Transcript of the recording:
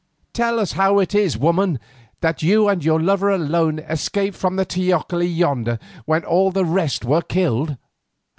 Tell us how is it, woman, that you and your lover alone escaped from the teocalli yonder when all the rest were killed.